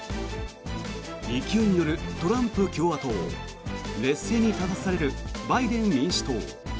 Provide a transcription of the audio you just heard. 勢いに乗るトランプ共和党劣勢に立たされるバイデン民主党。